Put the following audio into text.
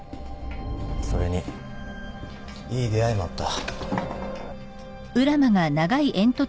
それにいい出会いもあった。